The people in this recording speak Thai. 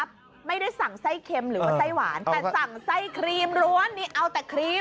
ไม่ได้สั่งไส้เค็มหรือว่าไส้หวานแต่สั่งไส้ครีมล้วนนี่เอาแต่ครีม